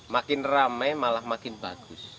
makin rame malah makin bagus